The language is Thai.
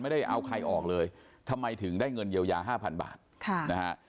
ไม่ได้เอาใครออกเลยทำไมถึงได้เงินเยียวยาห้าพันบาทค่ะนะฮะ